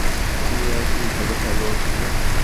তিনি একজন ভাল খেলোয়াড় ছিলেন।